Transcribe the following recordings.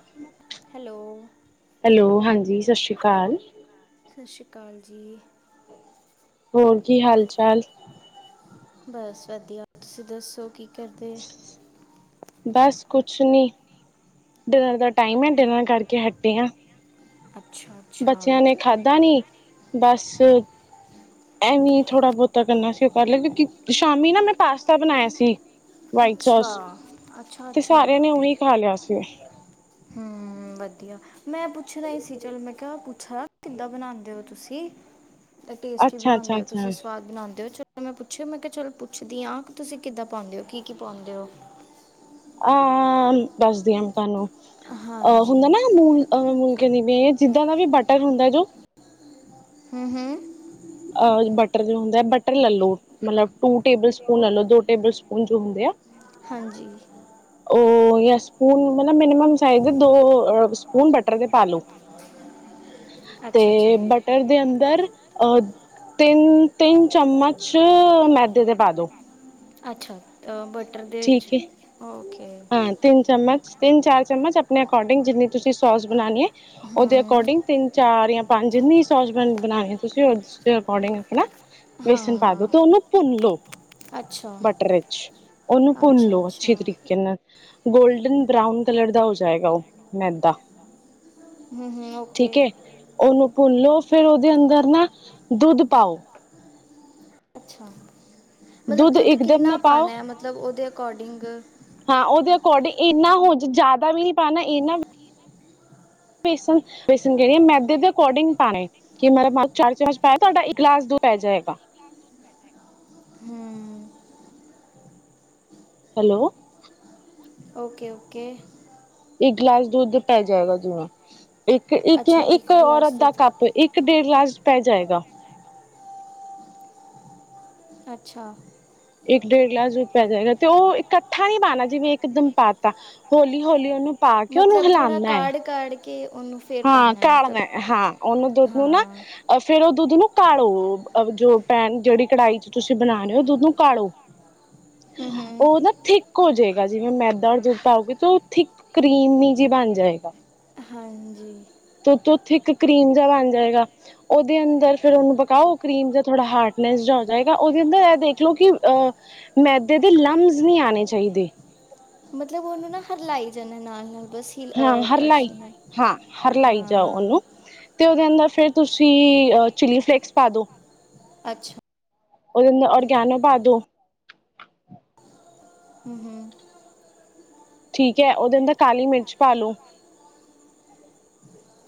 ਅੱਛਾ [inaudible] ਹੈਲੋ। ਜੀ, ਸਤਿ ਸ਼੍ਰੀ ਅਕਾਲ। ਸਤਿ ਸ਼੍ਰੀ ਅਕਾਲ ਜੀ। ਹੋਰ ਕੀ, ਹਾਲ -ਚਾਲ। ਬਸ ਵਧੀਆ, ਤੁਸੀਂ ਦੱਸੋ ਕੀ ਕੀ ਕਰਦੇ? ਬਸ ਕੁਛ ਨੀ, ਡਿਨਰ ਦਾ ਟਾਈਮ ਐ, ਡਿਨਰ ਕਰਕੇ ਹਟੇ ਆ। ਅੱਛਾ ਅੱਛਾ ਬੱਚਿਆਂ ਨੇ ਖਾਧਾ ਨੀ, ਬਸ। ਐਵੇਂ ਥੋੜ੍ਹਾ ਬਹੁਤਾ ਕਰਨਾ ਸੀ, ਉਹ ਕਰ ਲ ਕਿਉਂਕਿ ਸ਼ਾਮੀ ਨਾ ਮੈਂ ਪਾਸਤਾ ਬਣਾਇਆ ਸੀ। ਵਾਈਟ ਸੋਸ, ਅੱਛਾ ਅੱਛਾ ਤੇ ਸਾਰਿਆਂ ਨੇ ਉਹੀ ਖਾ ਲਿਆ ਸੀ। ਹਮ ਵਧੀਆ। ਮੈਂ ਪੁੱਛਣਾ ਹੀ ਸੀ, ਚਲ ਮੈਂ ਕਿਹਾ ਪੁੱਛਣਾ ਕਿੱਦਾਂ ਬਨਾੰਦੇ ਹੋ ਤੁਸੀਂ? ਤਾਂ ਟੇਸਟੀ ਅੱਛਾ ਬਣਾਉਂਦੇ ਅੱਛਾ ਹੋ ਅੱਛਾ ਤੁਸੀਂ, ਸਵਾਦ ਬਣਾਉਂਦੇ ਹੋ। ਮੈਂ ਪੁੱਛਿਆ, ਮੈਂ ਕਿਹਾ ਚਲ ਪੁੱਛਦੀ ਹਾਂ ਕਿ, ਤੁਸੀਂ ਕਿੱਦਾਂ ਪਾਉਂਦੇ ਹੋ ਕੀ ਕੀ ਪਾਉਂਦੇ ਹੋ? ਅ ਦੱਸਦੀ ਹਾਂ ਤੁਹਾਨੂੰ [inaudible] ਅਹ ਹਾਂਜੀ ਹੁੰਦਾ ਨਾ ਹੂੰ ਮੂਲ ਅਹ ਮੁਲ ਕ ਦੀਵੇ [inaudible] ਜਿੱਦਾਂ ਦਾ ਵੀ, ਬਟਰ ਹੁੰਦਾ ਜੋ ਹਮ ਹਮ। ਬਟਰ ਜੋ ਹੁੰਦਾ ਬਟਰ ਲੈਲੋ, ਮਤਲਬ ਟੂ ਟੇਬਲ ਸਪੂਨ ਲੈਲੋ ਦੋ ਟੇਬਲ ਸਪੂਨ ਜੋ ਹੁੰਦੇ ਆ। ਹਾਂਜੀ। ਉਹ ਸਪੂਨ ਮ [inaudible] ਮਮਮ ਸਾਈਜ਼ ਦੋ [unintelligible] ਹੁਣ ਬਟਰ ਤੇ ਪਾਲੋ। ਤੇ ਅੱਛਾ ਅੱਛਾ ਬਟਰ ਦੇ ਅੰਦਰ ਅਹ [inaudible] ਤਿੰਨ -ਤਿੰਨ ਚਮਚ ਮੈਦੇ ਦੇ ਪਾਦੋ। ਅੱਛਾ। ਬਟਰ ਦੇ ਵਿੱਚ ਹੈ ਓਕੇ ਹਾਂ, ਤਿੰਨ ਚਮਚ। ਤਿੰਨ ਚਾਰ ਚਮਚ ਆਪਣੇ ਅਕੋਰਡਿੰਗ, ਜਿੰਨੀ ਤੁਸੀਂ ਸੋਸ ਬਨਾਨੀ ਐ। ਉਹਦੇ ਹੂੰ ਅਕੋਰਡਿੰਗ, ਤਿੰਨ ਚਾਰ ਜਾਂ ਪੰਜਨੀ ਸੋਸਬੈਨ ਬਣਾਉਣੇ ਤੁਸੀਂ ਉਸਦੇ ਅਕੋਰਡਿੰਗ ਆਪਣਾ [unintelligible] ਹਾਂ ਵੇਸਨ ਪਾ ਦੋ, ਹਾਂ ਤੇ ਉਹਨੂੰ ਭੁੰਨ ਲਓ। ਅੱਛਾ ਬਟਰਚ ਉਹਨੂੰ ਭੁਨ ਅੱਛਾ ਲੋ, ਅੱਛਾ ਅੱਛੇ ਤਰੀਕੇ ਗੋਲਡਨ ਬਰਾਊਨ ਕਲਰ ਦਾ ਹੋ ਜਾਏਗਾ, ਉਹ ਮੈਦਾ। ਹੂੰ-ਹੂੰ ਓਕੇ। ਭੁਨੋ ਫੇਰ ਉਹਦੇ ਅੰਦਰ ਨਾ, ਦੁੱਧ ਪਾਓ। ਅੱਛਾ ਮਤਲਬ ਦੁੱਧ ਇਕਦਮ ਕਿੰਨਾ ਨਾ ਪਾਓ ਪਾਨਾ ਹੇ ਮਤਲਬ ਉਹਦੇ ਅਕੋਰਡਿੰਗ। [unintelligible] ਅਕੋਡਿੰ ਇਨਾ ਹੋ ਦੇ ਜ਼ਿਆਦਾ ਵੀ ਨੀ ਪਾਣਾ ਇਨਾ ਬੇਸਨ, ਬੇਸਨ ਜੇ ਮੈਦੇ ਦੇ ਅਕੋਡਿੰਗ ਪਾਣਾ ਏ ਕਿ ਮਤਲਬ [unintelligible] ਚਾਰ ਚਮਚ ਪਾਇ ਤੁਹਾਡਾ ਇੱਕ ਗਲਾਸ ਦੁਧ ਪੈ ਜਾਏਗਾ। ਹੂੰ ਹੈਲੋ! ਓਕੇ-ਓਕੇ ਇੱਕ ਗਲਾਸ ਦੁੱਧ ਪੈ ਜਾਏਗਾ ਜਿਨਾ ਇੱਕ-ਇੱਕ, ਜਾਂ ਅੱਛਾ ਇੱਕ ਔਰਤ ਗਲਾਸ ਦਾ ਦੁੱਧ ਕੱਪ ਇੱਕ ਡੇਢ [unintelligible] ਲਲਾਸ ਪੈ ਜਾਏਗਾ ਅੱਛਾ। ਇੱਕ ਡੇਢ ਗਲਾਸ ਦੁੱਧ ਪੈ ਜਾਏਗਾ, ਤੇ ਉਹ ਇਕੱਠਾ ਨਹੀਂੀ ਪਾਣਾ ਜਿਵੇਂ ਇੱਕ ਦਮ ਪਾਤਾ, ਹੌਲੀ-ਹੌਲੀ ਉਹਨੂੰ- ਪਾ ਕੇ ਉਹਨੂੰ ਹਿਲਾਉਨਾ ਹੈ। ਕਿ ਹਾਂ, ਕਾਡਨਾ ਹਾਂ ਉਹਨੂੰ ਦੁੱਧ ਨੂੰ, ਹਾਂ ਫੇਰ ਉਹ ਦੁੱਧ ਨੂੰ ਕਾੜੋ, ਜੋ ਪੈਨ ਜਿਹੜੀ ਕੜਾਈ ਚ ਤੁਸੀਂ ਬਣਾ ਰਹੇ ਹੋ ਦੁੱਧ ਨੂੰ ਕਾੜੋ ਹੂੰ ਹੂੰ ਉਹ ਨਾ ਥਿਕ ਹੋ ਜੇ। ਜਿਵੇਂ ਮੈਦਾ ਜੇ ਪਾਓਗੇ ਤਾਂ ੳ ਥਿਕ ਕਰੀਮ ਹੀ ਜੀ ਬਣ ਜਾਏਗਾ। ਹਾਂਜੀ ਤੇ ਉੱਥੇ ਥਿਕ ਕਰੀਮ ਜਿ ਬਣ ਜਾਏਗਾ, ਉਹਦੇ ਅੰਦਰ ਫਿਰ ਉਹਨੂੰ ਪਕਾਓ, ਕਰੀਮ ਜ ਥੋੜਾ ਹਾਰਡਨੈਸ ਜ ਹੋ ਜਾਏਗਾ ਉਹਦੇ ਅੰਦਰ ਇਹ ਦੇਖ ਲੋ ਕਿ ਅ ਮੈਦੇ ਦੇ ਲਮਸ ਨਹੀਂੀ ਆਣੇ ਚਾਹੀਦੇ। ਮਤਲਬ ਉਹਨੂੰ ਨਾ ਹਰਲਾਈ ਜਾਂਨਾ ਨਾਲ-ਨਾਲ ਹਾਂ ਹਰਲਾਈ-ਹਾਂ ਹਰਲਾਈ ਜਾਓ ਹਾਂ ਉਹਨੂੰ ਤੇ ਉਹਦੇ ਅੰਦਰ ਫਿਰ ਤੁਸੀਂ ਚਿਲੀ ਫਲੇਕਸ ਪਾਦੋ। ਅੱਛਾ ਉਹਦੇੰ [unintelligible] ਔਰ ਗਿਆਨੋ ਭਾਦੋ ਹੂੰ ਹੂੰ ਠੀਕ ਹੈ, ਉਹਦੇ ਅੰਦਰ ਕਾਲੀ ਮਿਰਚ ਪਾ ਲੋੋ।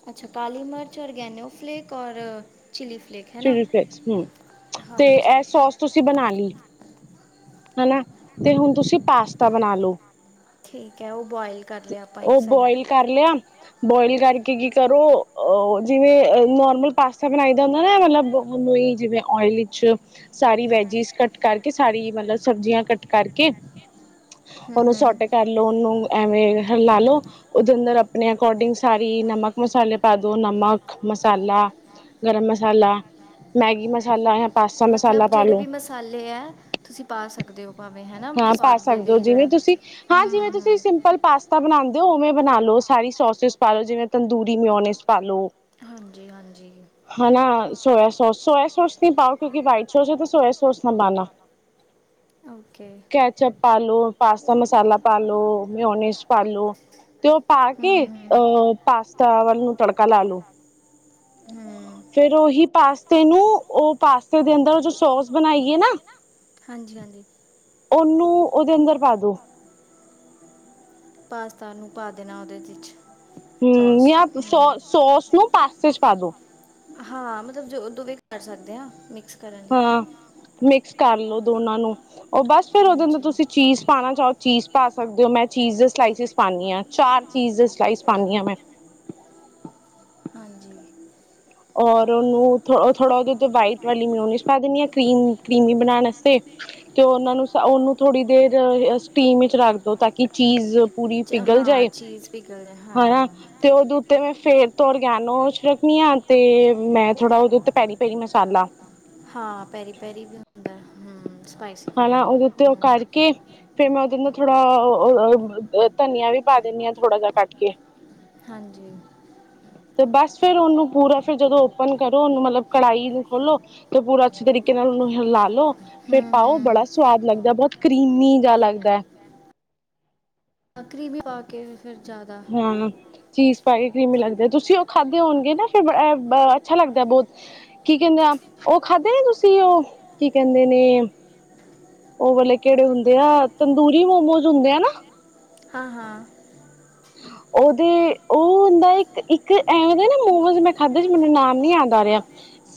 ਅੱਛਾ, ਕਾਲੀ ਮਿਰਚ ਔਰ ਗੈਨੋ ਫਲੇੈਕ ਔਰ ਚਿਲੀ ਫਲੇਕ ਹੈ ਨਾ ਚਿਲੀ ਫਲੇਕਸ ਹੂੰ, ਤੇ ਹਾਂਜੀ ਇਹ ਸੋਸ ਤੁਸੀਂ ਬਣਾ ਲਈ। ਹਨਾ, ਤੇ ਹੁਣ ਤੁਸੀਂ ਪਾਸਤਾ ਬਣਾ ਲੋ। ਠੀਕ ਹੈ, ਉਹ ਬੋਆਇਲ ਕਰ ਲਿਆ ਆਪਾਂ ਇੱਕ ਉਹ ਸਾਈਡ, ਬੋਇਲ ਕਰ ਲਿਆ ਬੋਇਲ ਕਰਕੇ ਕੀ ਕਰੋ ਅ ਜਿਵੇਂ ਨੋਰਮਲ ਪਾਸਤਾ ਬਣਾਈ ਦਾ- [unintelligible] ਮਤਲਬਨ ਉਹੀ ਜਿਵੇਂ ਓਇਲ ਵਿਚ ਸਾਰੀ ਵੈਜਿਸ ਕੱਟ ਕਰਕੇ, ਸਾਰੀ ਮਤਲਬ ਸਬਜ਼ੀਆਂ ਕੱਟ ਕਰਕੇ। ਹੂੰ ਉਹਨੂੰ [unintelligible] ੋੱਟ ਹੂੰ ਕਰਲਓ ਉਹਨੂੰ ਐਵੇਂ ਹਲਾਾਲੋ ਉਹਦੇ ਅੰਦਰ ਆਪਣੇ ਅਕੋਰਡਿੰਗ ਸਾਰੀ ਨਮਕ ਮਸਾਲੇ ਪਾ ਦੋ ਨਮਕ, ਮਸਾਲਾ, ਗਰਮ ਮਸ- ਸਾਲਾ, ਮੈਗੀ ਮਸਾਲਾ। ਪਾਸਤਾ ਮਸਾਲਾ ਮਤਲਬ ਪਾ ਜਿਹੜੇ ਲੋ ਵੀ ਮਸਾਲੇ ਹੈ ਤੁਸੀਂ ਪਾ ਸਕਦੇ ਹੋ ਭਾਵੇਂ ਹਨਾ ਹਾਂ ਪਾ ਸਵਾਦ ਦੇ ਸਕਦੇ ਹੋ ਲਈ ਜਿਵੇਂ ਜਿਹੜਾ ਹੂੰ ਹ ਹੂੰ। ਬਣਾਦੇ ਹੋ ਉਵੇਂ ਬਣਾ ਲੋ ਸਾਰੀ ਸੋਸਿਸ ਪਾਲ ਲੋ ਜਿਵੇਂ ਤੰਦੂਰੀ ਮਿਉਨਿਸ ਪਾਾਲ ਲੋ ਹੂੰ ਹਾਂਜੀ ਹਾਂਜੀ ਹਨਾ, ਸੋਇਆ ਸੋਸ ਸੋਯ ਸੋਸ ਨੀ ਪਾਓ ਕਿਉਂਕਿ ਵਾਈਟ ਸੋਸ ਹੈ ਤੇ ਸੋਇਆ ਸੋਸ ਨਾ ਪਾਉਣਾ ਓਕੇ ਕੈਚਅਪ ਪਾ ਲੋੋ, ਪਾਸਤਾ ਹੂੰ ਮਸਾਲਾ ਪਾ ਲੋ, ਮਓਨੀਸ ਪਾਾਲੋ ਤੇ ਉਹ ਪਾ ਹੂੰ ਕੇ ਹੂੰ ਅ ਪਾਸਤਾ ਵੱਲ ਨੂੰ ਤੜਕਾ ਲਾ ਲੋ ਫੇਰ ਓਹੀ ਪਾਸਤੇ ਨੂੰ ਉਹ ਪਾਸਤੇ ਦੇ ਅੰਦਰ ਜੋ ਸੋਸ ਬਣਾਈ ਏ ਨਾ ਹਾਂਜੀ ਹਾਂਜੀ ਉਹਨੂੰ ਉਹਦੇ ਅੰਦਰ ਪਾ ਦੋ ਪਾਸਤਾ ਨੂੰ ਪਾ ਦੇਣਾ ਉਹਦੇ ਵਿੱਚ ਹਮ ਸੌਸ 'ਚ ਯ ਸੋ ਹੂੰ ਸੋਸ ਨੂੰ ਪਾਸਤਾ ਪਾਦੋ ਹਾਂ ਮਤਲਬ ਜੋ ਦੋਵੇ ਕਰ ਸਕਦੇ ਹਾਂ ਮਿਕਸ ਕਰ ਰ ਕਰਲੋ ਦੋਨਾਂ ਨੂੰ ਉਹ ਬਸ ਫਿਰ ਉਹਦੇ ਅੰਦਰ ਹਾਂਜੀ ਤੁਸੀਂ ਚੀਜ਼ ਪਾਉਣਾ ਚਾਹੋ ਚੀਜ਼ ਪਾ ਸਕਦੇ ਹੋ ਮੈਂ ਚੀਜ਼ ਦੇ ਸਲਾਈਸਿਸ ਪਾਦੀ ਹਾਂ ਚਾਰ ਚੀਜ਼ ਦੇ ਸਲਾਈਸ ਪਾਦੀ ਹੈ ਮੈਂ ਹਾਂਜੀ ਔਰ ਉਹਨੂੰ ਥੋੜਾ ਉਹਦੇ ਉਤੇ ਵਾਈਟ ਵਾਲੀ ਮਿਊਨੀਸ ਪਾ ਦਿੰਣੀ ਆ ਕਰੀਮ ਕੀਮੀ ਬਣਾਉਣ ਵਾਸਤੇ ਤੇ ਉਹਨਾ ਨੂੰ ਉਹਨੂੰ ਥੋੜੀ ਦੇਰ ਸਟੀਮ ਵਿੱਚ ਰੱਖਦੋ ਤਾਂ ਕਿ ਚੀਜ਼ ਪੂਰੀ ਚ ਪਿਗਲ ਹਾਂ ਜਾਏ ਚੀਜ਼ ਪਿਘਲ ਜਾਏ, ਹਨਾ ਹਾਂ ਤੇ ਉਹਦੇ ਉੱਤੇ ਮੈਂ ਫੇਰ ਥੋੜੀ ਓਰਗੇਨੋ ਨੂੰੋ ਛੜਕਣੀਆਂ ਤੇ ਮੈਂ ਥੋੜਾ ਉਹਦੇ ਉੱਤੇ ਪੈਰੀ ਪੈਰੀ ਮਸਾਲਾ ਹਾਂ ਪੈਰੀ ਪੈਰੀ ਵੀ ਹੁੰਦਾ ਹਮ ਸਪਾਈਸੀ ਹਨਾ ਕਰਨ ਦਾ ਉਹਦੇ ਉੱਤੇ ਉਹ ਹਮ ਕਰਕੇ ਫੇਰ ਮੈਂ ਉਹਦੇ ਅੰਦਰ ਥੋੜਾ ਧਨੀਆ ਵੀ ਪਾ ਦਿੰਨੀ ਹੈ ਥੋੜਾ ਜਾ ਕੱਟ ਕੇ ਹਾਂਜੀ ਤੇ ਬਸ ਫਿਰ ਉਹਨੂੰ ਪੂਰਾ ਫ਼ਿਰ ਜਦੋਂ ਓਪਨ ਕਰੋ ਉਹਨੂੰ ਮਤਲਬ ਕੜਾਹੀ ਨੂੰ ਖੋਲੋ ਤੇ ਪੂਰਾ ਅੱਛੇ ਤਰੀਕੇ ਨਾਲ ਉਹਨੂੰ ਲਾ ਲੋ ਫਿਰ ਹੂੰ ਪਾਓ ਬੜਾ ਹੂੰ ਸਵਾਦ ਲੱਗਦਾ ਬਹੁਤ ਕਰੀਮੀ ਜ ਲੱਗਦਾ ਹੈ ਵੀ ਪਾ ਕੇ ਫਿਰ ਜ਼ਿਆਦਾ ਹਾਂ ਚੀਜ਼ ਲੱਗ ਤੁਸੀਂ ਉਹ ਖਾਧੇ ਹੋਣਗੇ ਨਾ ਫ ਅੱਛਾ ਲੱਗਦਾ ਬਹੁਤ ਕੀ ਕਹਿੰਦੇ ਆ ਉਹ ਖਾੇ ਨੇ ਤੁਸੀ ਉਹ ਕੀ ਕਹਿੰਦੇ ਨੇ ਉਹ ਕਿਹੜੇ ਹੁੰਦੇ ਆ ਤੰਦੂਰੀ ਮੋਮੋਜ ਹੁੰਦੇ ਆ ਨਾ ਹਾਂ ਹਾਂ ਦੇ ਉਹ ਹੁੰਦਾ ਇੱਕ ਨਾ ਮੋਮੋਜ਼ ਮੈਂ ਖਾਧੇ ਮੈਨੂੰ ਨਾਮ ਨੀ ਆਦਾਂ ਆ ਰਿਹਾ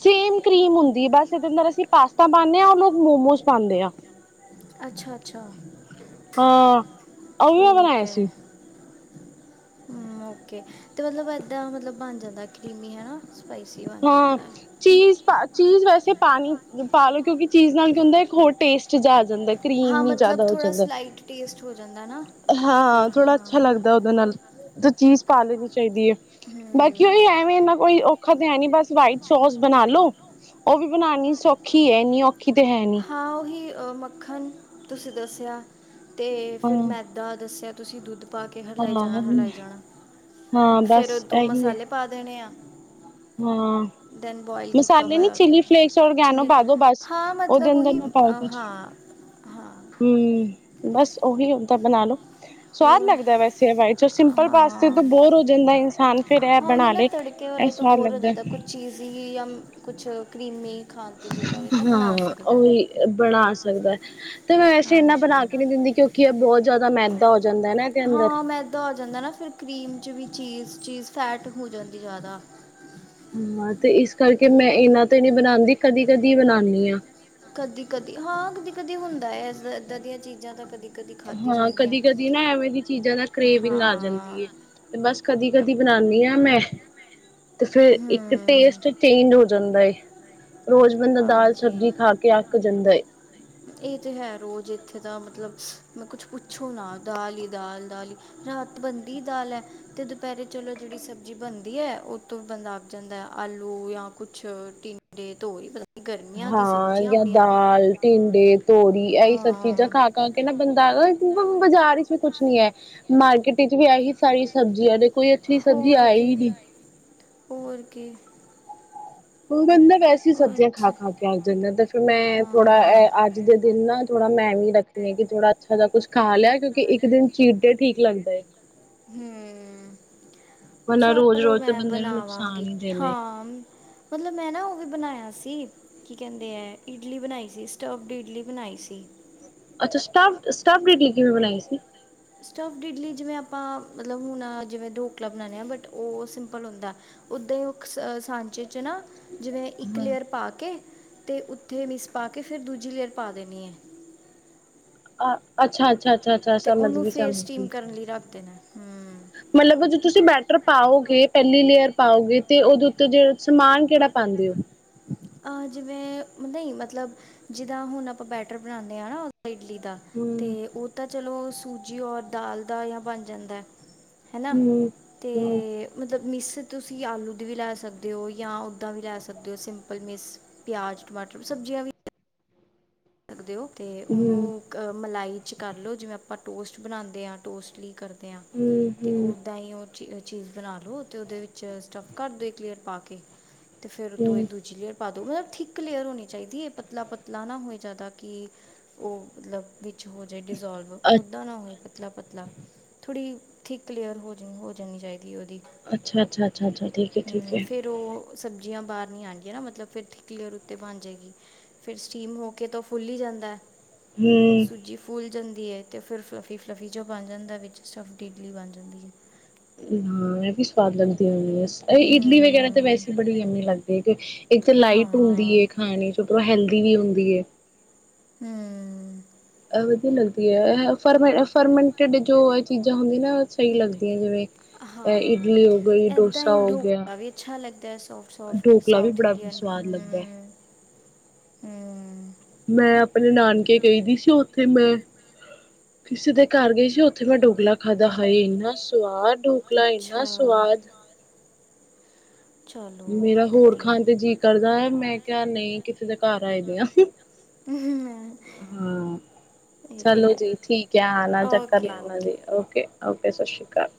ਸੇਮ ਕਰੀਮ ਹੁੰਦੀ ਬਸਦੇ ਅੰ ਅਸੀਂ ਪਾਸਤਾ ਪਾਦੇ ਹ ਉਹ ਲੋਕ ਮੋਮੋਜ ਪਾਦੇ ਆ ਅੱਛਾ ਅੱਛਾ ਹਾਂ। ਉਹ ਵੀ ਮੈਂ ਠੀਕ ਬਣਾਏ ਹੈ ਸੀ ਓਕੇ ਤੇ ਮਤਲਬ ਏਦਾਂ ਮਤਲਬ ਬਣ ਜਾਂਦਾ ਕਰੀਮ ਹਨਾ ਹਾਂ ਚੀਜ਼ ਪਾ ਚੀਜ਼ ਵੈਸੇ ਪਾਣੀ ਪਾਾਲਓ ਕਿਉਂਕਿ ਚੀਜ਼ ਨਾਲ ਕੀ ਹੁੰਦਾ ਇੱਕ ਹੋਰ ਟੇਸਟ ਜਾ ਜਾਂਦਾ ਹਾਂ ਕਰੀਮ ਹੀ ਮਤਲਬ ਜ਼ਿਆਦਾ ਹੋ ਥੋੜਾ ਜਾਂਦਾ। ਸਲਾਈਟ ਟੇਸਟ ਹੋ ਜਾਂਦਾ ਨਾ ਹਾਂ ਫਿਰ ਥੋੜਾ ਅੱਛਾ ਹਾਂ ਲੱਗਦਾ ਉਹਦੇ ਨਾਲ ਤਾਂ ਚੀਜ਼ ਪਾ ਲੈਣੀ ਚਾਹੀਦੀ ਹੈ ਬਾਕੀ ਉਹੀ ਹਮ, ਐਵੇਂ ਇੰਨਾ ਕੋਈ ਔਖਾ ਹੈ ਨੀ ਬਸ ਵਾਈਟ ਸੋਸ ਬਣਾ ਲੋ ਉਹ ਵੀ ਬਣਾਉਣੀ ਸੌਖੀ ਹੈਨੀ ਔਖੀ ਤੇ ਹੈ ਨੀ ਹਾਂ ਉਹੀ ਅ ਮੱਖਣ ਤੁਸੀਂ ਦੱਸਿਆ ਤੇ ਫਿਰ ਹਾਂ। ਮੈਂ ਮੈਦਾ ਦੱਸਿਆ ਤੁਸੀਂ ਦੁੱਧ ਪਾ ਕੇ ਹਿਲਾਈ ਜਾਣਾ ਹਾਂ, ਹਿਲਾਈ ਜਾਣਾ ਹਾਂ ਬਸ ਫਿਰ ਦੋ ਇਹੀ ਹੈ ਮਸਾਲੇ ਪਾ ਦੇਣੇ ਆ ਹਾਂ ਦੈਨ ਬੋਇਲ ਕੀਤਾ ਮਸਾਲੇ ਨੀ ਹੋਇਆ ਚਿਲੀ ਫਲੇਕਸ ਔਰਗੈਨੋ ਚਿਲੀ ਪਾ ਦੋ ਬਸ ਉਹਦੇ ਅੰਦਰ ਨਾ ਪਾ ਹਾਂ-ਹਾਂ, ਬਸ ਉਹੀ ਓਦਾਂ ਬਣਾ ਲੋੋ, ਸਵਾਦ ਹੋਰ ਲੱਗਦਾ ਵੈਸੇ ਹਵਾਈ ਚ ਅ ਪਲ ਪਾਸਤੇ ਤੋਂ ਹਾਂ ਬੋਰ ਹੋ ਜਾਂਦਾ ਇਨਸਾਨ, ਫੇਰ ਇਹ ਹਾਂ ਉਹੀ ਬਣਾ ਨਾ ਲਏ, ਤੜਕੇ ਵਾਲੇ ਤੋਂ ਬੋਰ ਹੋ ਜਾਂਦਾ ਕੁਛ ਚੀਜ਼ ਹੀ ਜਾਂ ਕੁਛ ਕ੍ਰੀਮੀ, ਹਾਂ ਉਹੀ ਬਣਾ ਸਕਦਾ, ਤੇ ਮੈਂ ਵੈਸੇ ਇੰਨਾ ਹਾਂਜੀ ਬਣਾ ਕੇ ਨਹੀਂ ਦਿੰਦੀ ਕਿਉਂਕਿ ਇਹ ਬਹੁਤ ਜ਼ਿਆਦਾ ਮੈਦਾ ਹੋ, ਜਾਂਦਾ ਨਾ ਇਹਦੇ ਅੰਦਰ ਹਾਂ ਮੈਂਦਾਂ ਹੋ ਜਾਂਦਾ ਨਾ ਫਿਰ, ਕਰੀਮ 'ਚ ਵੀ ਚੀਜ਼ ਚੀਜ਼ ਫੈਟ ਹੋ ਜਾਂਦੀ ਜ਼ਿਆਦਾ, ਹਾਂ ਤੇ ਇਸ ਕਰਕੇ ਮੈਂ ਇਹਨਾ ਤੋਂ ਨੀ ਬਣਾਦੀ ਕਦੀ-ਕਦੀ ਬਣਾਨੀ ਆ, ਕਦੀ-ਕਦੀ ਹਾਂ ਕਦੀ-ਕਦੀ ਹੁੰਦਾ ਏਦਾਂ ਦੀਆਂ ਚੀਜ਼ਾਂ ਤਾਂ ਕਦੀ, ਕਦੀ ਖਾਧੀ ਹਾਂ ਜਾਂਦੀਆਂ ਕਦੀ-ਕਦੀ ਨਾ ਐਵੇਂ ਦੀ ਚੀਜ਼ਾਂ ਨਾਲ ਕਰੇਵਿੰਗ ਆ ਹਾਂ ਜਾਂਦੀ ਹੈ ਤੇ ਬਸ ਕਦੀ-ਕਦੀ, ਦੀ ਬਣਾਦੀ ਹਾਂ ਮੈਂ, ਤੇ ਫੇਰ ਇੱਕ ਹੂੰ ਟੇਸਟ ਚੇਂਜ ਹੋ ਜਾਂਦਾ ਐ। ਹਾਂਜੀ ਕੇ ਅੱਕ ਜਾਂਦਾ ਏ। ਇਹ ਤੇ ਹੈ ਰੋਜ਼ ਇੱਥੇ ਦਾ ਮਤਲਬ ਮੈਂ ਕੁਛ ਪੁੱਛੋ ਨਾ ਦਾਲ ਹੀ ਦਾਲ ਦਾਲ ਹੀ ਰਾਤ ਬਣਦੀ ਦਾਲ ਹੈ ਤੇ ਦੁਪਹਿਰੇ ਚਲੋ ਜਿਹੜੀ ਸਬਜ਼ੀ ਬਣਦੀ ਹੈ ਉਹ ਤੋਂ ਬੰਦਾ ਅੱ ਜਾਂਦਾ ਆਲੂ ਜਾਂ ਕੁਛ ਟੀਂਡੇ ਹਾਂ, ਜਾਂ ਦਾਲ ਟਿਡੇ ਤੋਰੀ ਇਹੀ ਸਭ ਚੀਜ਼ਾਂ ਹਾਂ ਖਾ-ਖਾ ਕੇ ਨਾ ਬੰਦਾ, ਬਾਜ਼ਾਰ ਵਿਚ ਵੀ ਕੁਛ ਨੀ ਹੈ ਮਾਰਕੀਟ ਵਿਚ ਵੀ ਇਹੀ ਸਾਰੀ ਸਬਜ਼ੀਆਂ ਦੇ ਹੋਰ ਕੀ ਹੋਰ ਕੀ? ਹੁਣ ਬੰਦਾ, ਐਸੀ ਸਬਜ਼ੀਆਂ ਬਸ ਖਾ-ਖਾ ਕੇ ਅਕ ਜਾਂਦਾ ਤੇ ਫੇਰ ਮੈਂ ਥੋੜਾ ਹਾਂ ਇਹ ਅੱਜ ਦੇ ਦਿਨ ਨਾ ਥੋੜਾ ਮੈਂ ਵੀ ਰੱਖਣੀ ਹੈ ਕਿ ਥੋੜਾ ਅੱਛਾ ਜਾ ਕੁਛ ਖਾ ਲਿਆ ਕਿਉਂਕਿ ਇੱਕ ਦਿਨ ਚੀਰਦੇ ਠੀਕ ਲੱਗਦਾ ਏ, ਹੂੰ, ਵਰਨਾ ਰੋਜ਼ ਚਲੋ ਰੋਜ਼ ਤੇ ਮੈਂ ਬੰਦੇ ਨੂੰ ਨੁਕਸਾਨ ਬਣਾਵਾਂਗੀ ਹੀ ਦੇਵੇ ਹਾਂ ਮਤਲਬ ਮੈਂ ਨਾ ਉਹ ਵੀ ਬਣਾਇਆ। ਸੀ ਕੀ ਕਹਿੰਦੇ ਹੈ ਇਡਲੀ ਬਣਾਈ ਸੀ ਸਟਵਡ ਇਡਲੀ ਬਣਾਈ ਸੀ। ਅੱਛਾ ਸਟਾਫ-ਸਟਾਫ ਇਟਲੀ ਕਿਵੇਂ ਬਣਾਈ ਸੀ? ਸਟਾਫ ਇਲੀ ਜਿਵੇਾਂ ਮਤਲ ਹੁ ਜਿਵੇ ਢੋਕਲਾ ਬਣਾਦੇ ਆ ਬਟ ਉਹ ਸਿੰਪਲ ਹੁੰਦਾ ਓਦਾਂ ਹੀ ਸਾਂਚੇ ਚ ਨਾ ਜਿਵੇਂ ਇੱਕ ਹਾਂ। ਲੇਅਰ ਪਾ ਕੇ, ਤੇ ਉੱਥੇ ਮਿਸ ਪਾ ਕੇ ਫਿਰ ਦੂਜੀ ਲੇਅਰ ਪਾ ਦੇਣੀ ਹੈ। ਅ ਅੱਛਾ-ਅੱਛਾ, ਅੱਛਾ-ਅੱਛਾ ਅਤੇ ਸਮਝ ਉਹਨੂੰ ਗਈ ਫਿਰ ਸਮਝ ਸਟੀਮ ਗਈ ਕਰਨ ਲਈ ਰੱਖ ਦੇਣਾ ਹੂੰ ਮਤਲਬ ਤੁਸੀਂ ਬੈਟਰ ਪਾਓਗੇ ਪਹਿਲੀ ਲੇਅਰ ਪਾਓਗੇ ਤੇ ਉਹਦੇ ਉੱਤੇ ਜਿਹੜ ਸਮਾਨ ਕਿਹੜਾ ਪਾਉਂਦੇ ਹੋ ਅਹ ਜਿਵੇਂ ਨਹੀਂ ਮਤਲਬ ਜਿਦਾਂ ਹੁਣ ਆਪਾਂ ਬੈਟਰ ਬਣਾਉਂਦੇ ਹਾਂ ਨਾ ਇਡਲੀ ਦਾ ਹੂੰ। ਤੇ ਉਹ ਤਾਂ ਚਲੋ ਸੂਜੀ ਔਰ ਦਾਲ ਦਾ ਜਾਂ ਬਣ ਜਾਂਦਾ ਹਨਾ ਹੂੰ ਤੇ ਹੂੰ ਮਤਲਬ ਮਿਸ ਤੁਸੀਂ ਆਲੂ ਦੀ ਵੀ ਲੈ ਸਕਦੇ ਹੋ ਜਾਂ ਉਹੱਦਾਂ ਵੀ ਲੈ ਸਕਦੇ ਹੋ ਸਿੰ ਕਪਲ ਮਿਰਸ਼ ਪਿਆਜ਼ ਟਮਾਟਰ ਸਬਜ਼ੀਆਂ ਵੀ ਸਕਦੇ ਹੋ ਅਤੇ ਹੂੰ ਉਹਨੂੰ ਕ ਮਲਾਈ 'ਚ ਕਰ ਲਓ ਜਿਵੇਂ ਆਪਾਂ ਟੋਸਟ ਬਣਾਉਂਦੇ ਹਾਂ ਟੋਸਟ ਲਈ ਹੂੰ ਅਤੇ ਹੂੰ ਉੱਦਾਂ ਹੀ ਉਹ ਚੀਜ਼ ਬਣਾ ਲੋ ਤੇ ਉਹਦੇ ਵਿੱਚ ਸਟਫ ਕਰ ਦੋ ਕਲੀਅਰ ਪਾ ਕੇ ਅਤੇ ਫਿਰ ਉੱਤੋਂ ਇਹ ਹੂੰ ਦੂਜੀੇ ਪਾ ਦੋ ਮਤਲਬ ਠੀਕ ਕਲੀਅਰ ਹੋਣੀ ਚਾਹੀਦੀ ਹੈ ਪਤਲਾ ਪਤਲਾ ਨਾ ਹੋਏ ਜ਼ਿਆਦਾ ਕਿ ਉਹ ਮਤਲਬ ਹੋ ਜਾਏ ਡਿਜ਼ੋਲਵ ਓਦਾਂ ਨਾ ਹੋਏ ਪਤਲਾ ਪਤਲਾ ਥੋੜ੍ਹੀ ਥਿਕ ਲੇਅਰ ਹੋ ਜਾ ਹੋ ਜਾਣੀ ਚਾਹੀਦੀ ਹੈ ਉਹਦੀ ਅੱਛਾ ਅੱਛਾ ਅੱਛਾ ਅੱਛਾ ਠੀਕ ਹੈ ਠੀਕ ਹਮ, ਹੈ ਫਿਰ ਉਹ ਸਬਜ਼ੀਆਂ ਬਾਹਰ ਨੀ ਆਉਣਗੀਆਂ ਨਾ ਮਤਲਬ ਫਿਰ ਠੀਕ ਲਲੇਅਰ ਉੱਤੇ ਬਣ ਜਾਏਗੀ ਫੇਿਰ ਸਟੀਮ ਹੋ ਕੇ ਤਾਂ ਲੇਅਰ ਭੁੱਲੀ ਜਾਂਦਾ ਹੂੰ ਸੂਜੀ ਫੂਲ ਜਾਂਦੀ ਹੈ ਅਤੇ ਫਿਰ ਫਲੱਫੀ ਫਲੱਫੀ ਜੋ ਬਣ ਜਾਂਦਾ ਵਿੱਚ ਸਫ ਡੀਡਲੀ ਬਣ ਜਾਂਦੀ ਹੈ ਹਾਂ ਇਹ ਵੀ ਸਵਾਦ ਲੱਗਦੀ ਹੁੰਦੀ ਆ ਇਡਲੀ ਵਗੈਰਾ ਤਾਂ ਹੂੰ ਵੈਸੇ ਬੜੀ ਜ਼ਮੀ ਲੱਗਦੀ ਹੈ ਇੱਕ ਤਾਂ ਹਾਂ ਲਾਈਟ ਹੁੰਦੀ ਹੂੰ ਏ ਖਾਣੀ ਚ ਹੈਲ ਦੀ ਵੀ ਹੁੰਦੀ ਹੈ ਹਮ ਵਧੀਆ ਲੱਗਦੀ ਹੈ ਫਰਮ ਫਰਮੈਂਟਡ ਜੋ ਇਹ ਚੀਜ਼ਾਂ ਹੁੰਦੀਆਂ ਨਾ ਸਹੀ ਲੱਗਦੀਆਂ ਜਿਵੇਂ ਅ ਹਾਂ ਇਡਲੀ ਹੋ ਗਈ ਏਦਾਂ ਡੋਸਾ ਹੀ ਹੋ ਗਿਆ ਢੋਕਲਾ ਵੀ ਅੱਛਾ ਲੱਗਦਾ ਸੋਫਟ ਸੋਫਟ ਢੋਕਲਾ ਵੀ ਸਾਊਥ ਬੜਾ ਇੰਡੀਅਨ ਸਵਾਦ ਲੱਗਦਾ ਹੈ। ਹਮ ਹਮ ਮੈਂ ਆਪਣੇ ਨਾਨਕੇ ਗਈ ਦੀ ਸੀ ਉੱਥੇ ਮੈਂ ਕਿਸੇ ਦੇ ਘਰ ਗਈ ਸੀ ਉੱਥੇ ਮੈਂ ਢੋਕਲਾ ਖਾਦਾ ਹਾਏ ਇੰਨਾ ਸਵਾਦ ਢੋਕਲਾ ਅੱਛਾ ਇੰਨਾ ਸਵਾਦ ਚਲੋ ਮੇਰਾ ਹੋਰ ਵਧੀਆ ਖਾਣ ਤੇ ਜੀਅ ਕਰਦਾ ਹੈ ਮੈਂ ਕ ਨਹੀਂ ਕਿਸੇ ਦੇ ਘਰ ਆਏ ਦੇ ਆ ਹਾਂ ਇਹ ਤੇ ਚਲੋ ਹੈ ਜੀ ਠੀਕ ਹੈ ਆਣਾ ਚੱਕਰ ਓਕੇ ਲਾ ਓਕੇ ਜੀ ਓਕੇ ਓਕੇ ਸਤਿ ਸ਼੍ਰੀ ਅਕਾਲ